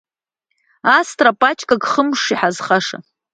Астра пачкак, хымш иҳазхаша.